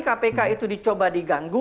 kpk itu dicoba diganggu